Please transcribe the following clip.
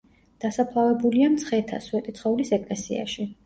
დასაფლავებულია მცხეთას, სვეტიცხოვლის ეკლესიაში.